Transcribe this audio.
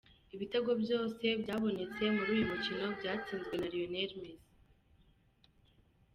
Ibitego byose byabonetse muri uyu mukino byatsinzwe na Lionel Messi